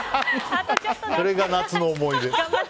それが夏の思い出。